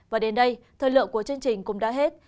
và đến đây thời lượng của chương trình cũng đã hết